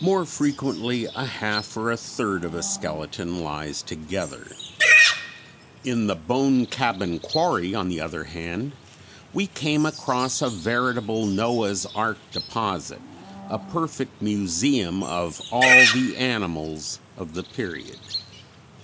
More frequently a half or a third of a skeleton lies together. In the Bone Cabin Quarry, on the other hand, we came across a veritable Noah's ark deposit, a perfect museum of all the animals of the period.